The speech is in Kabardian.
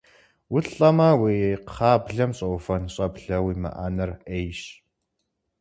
УлӀэмэ, уи кхъаблэм щӀэувэн щӀэблэ уимыӀэныр Ӏейщ.